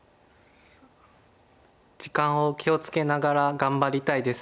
時間を気を付けながら頑張りたいです。